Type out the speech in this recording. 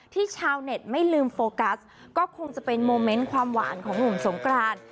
ชาวเน็ตไม่ลืมโฟกัสก็คงจะเป็นโมเมนต์ความหวานของหนุ่มสงกราน